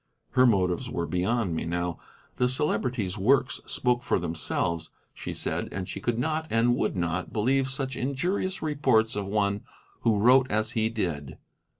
Her motives were beyond me now. The Celebrity's works spoke for themselves, she said, and she could not and would not believe such injurious reports of one who wrote as he did.